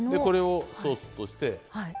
これをソースとして。